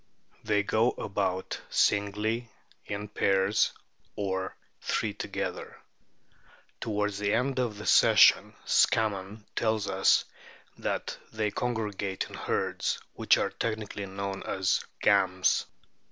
They go about singly, in pairs, or three together. Towards the end of the season Scammon tells us that they con gregate in herds, which are technically known as ; 'gams."